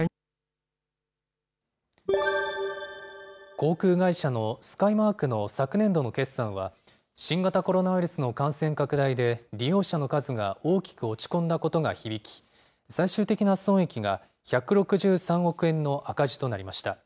航空会社のスカイマークの昨年度の決算は、新型コロナウイルスの感染拡大で利用者の数が大きく落ち込んだことが響き、最終的な損益が１６３億円の赤字となりました。